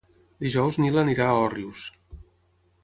Dijous en Nil anirà a Òrrius.